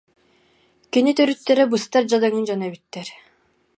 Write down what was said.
Кини төрүттэрэ быстар дьадаҥы дьон эбиттэр